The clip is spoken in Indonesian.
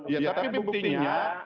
ya tapi buktinya